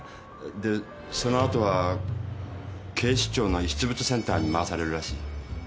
でそのあとは「警視庁の遺失物センター」に回されるらしい。